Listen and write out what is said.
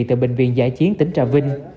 từ bệnh viện giải chiến tỉnh trà vinh